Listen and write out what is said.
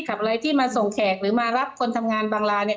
อะไรที่มาส่งแขกหรือมารับคนทำงานบางลาเนี่ย